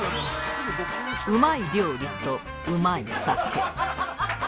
うまい料理とうまい酒